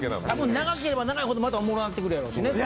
長ければ長いほどまたおもろなってくるやろし。